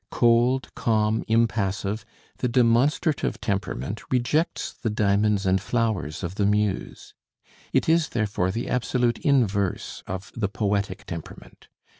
Cold, calm, impassive, the demonstrative temperament rejects the diamonds and flowers of the muse; it is, therefore, the absolute inverse of the poetic temperament.